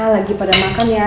lagi pada makan ya